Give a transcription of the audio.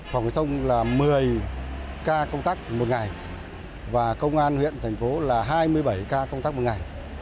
phòng giao thông là một mươi ca công tác một ngày và công an huyện thành phố là hai mươi bảy ca công tác một ngày